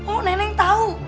oh nenek tahu